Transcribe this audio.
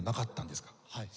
はい。